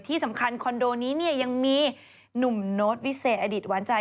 ที่สำคัญคอนโดนี้เนี่ยยังมีหนุ่มโน้ตวิเศษอดีตหวานใจ